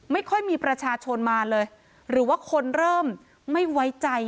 ไม่ค่อยมีประชาชนมาเลยหรือว่าคนเริ่มไม่ไว้ใจ